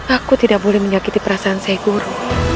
aku tidak boleh menyakiti perasaan saya guru